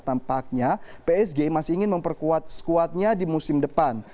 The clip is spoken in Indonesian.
tampaknya psg masih ingin memperkuat squadnya di musim depan